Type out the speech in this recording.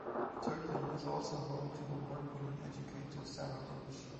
Turpin is also home to award winning educator Sarah Lynch.